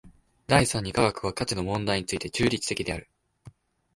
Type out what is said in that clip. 第三に科学は価値の問題について中立的である。